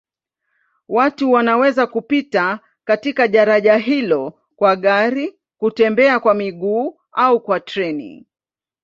Watu wanaweza kupita katika daraja hilo kwa gari, kutembea kwa miguu au kwa treni.